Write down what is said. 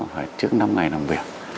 phải trước năm ngày làm việc